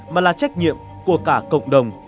mà là trách nhiệm của cả cộng đồng